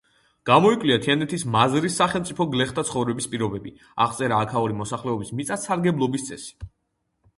გამოიკვლია, თიანეთის მაზრის სახელმწიფო გლეხთა ცხოვრების პირობები, აღწერა აქაური მოსახლეობის მიწათსარგებლობის წესი.